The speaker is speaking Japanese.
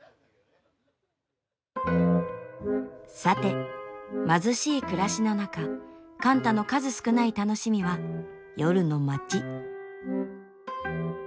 さて貧しい暮らしの中貫多の数少ない楽しみは夜の街。